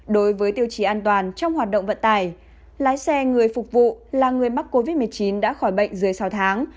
đối với tiêu chí an toàn trong hoạt động vận tải lái xe người phục vụ là người mắc covid một mươi chín đã khỏi bệnh dưới sáu tháng